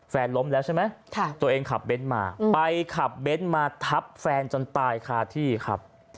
ล้มแล้วใช่ไหมตัวเองขับเบ้นมาไปขับเบ้นมาทับแฟนจนตายคาที่ครับ